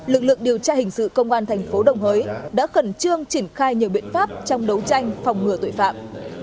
lực lượng điều tra hình sự công an thành phố đồng hới đã khẩn trương triển khai nhiều biện pháp trong đấu tranh phòng ngừa tội phạm